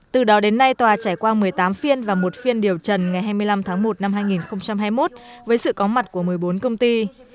từ đó đến nay tòa trải qua một mươi tám phiên và một phiên điều trần ngày hai mươi năm tháng một năm hai nghìn hai mươi một với sự có mặt của một mươi bốn công ty